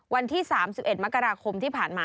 วันที่๓๑มกราคมที่ผ่านมา